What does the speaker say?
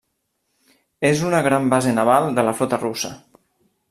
És una gran base naval de la flota russa.